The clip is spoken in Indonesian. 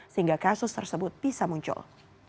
sehingga kasus tersebut bisa muncul